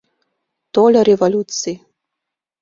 Тольо революций.